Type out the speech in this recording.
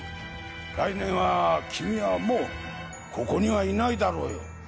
来年は君はもうここにはいないだろうよ。